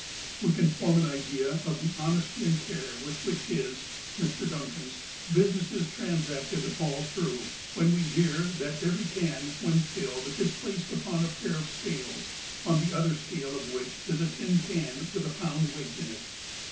We can form an idea of the honesty and care with which his (Mr. Duncan's) business is transacted all through, when we hear that every can when filled is placed upon a pair of scales, on the other scale of which is a tin can with a pound weight in it.